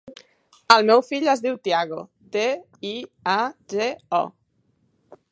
El meu fill es diu Tiago: te, i, a, ge, o.